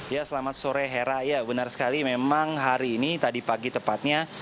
ya selamat sore hera ya benar sekali memang hari ini tadi pagi tepatnya